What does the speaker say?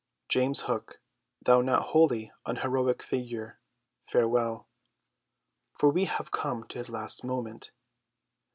James Hook, thou not wholly unheroic figure, farewell. For we have come to his last moment.